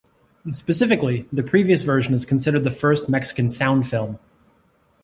Specifically, the previous version is considered the first Mexican sound film.